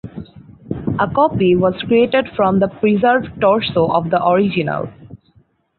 A copy was created from the preserved torso of the original.